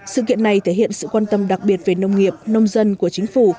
sự kiện này thể hiện sự quan tâm đặc biệt về nông nghiệp nông dân của chính phủ